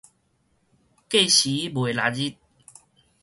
過時賣曆日